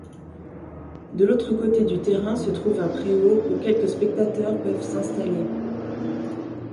De l'autre côté du terrain se trouve un préau où quelques spectateurs peuvent s'installer.